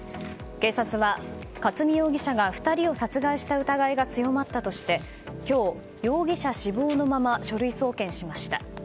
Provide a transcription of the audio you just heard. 警察は克巳容疑者が２人を殺害した疑いが強まったとして今日、容疑者死亡のまま書類送検しました。